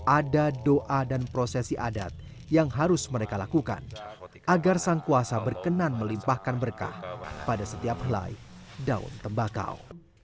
ada doa dan prosesi adat yang harus mereka lakukan agar sang kuasa berkenan melimpahkan berkah pada setiap helai daun tembakau